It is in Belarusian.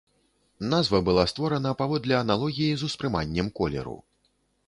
Назва была створана паводле аналогіі з успрыманнем колеру.